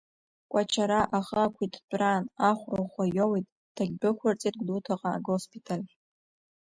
Кәачара ахы ақәиҭтәраан ахәра ӷәӷәа иоуит, дагьдәықәырҵеит Гәдоуҭаҟа агоспиталь ахь.